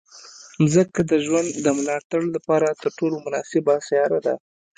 مځکه د ژوند د ملاتړ لپاره تر ټولو مناسبه سیاره ده.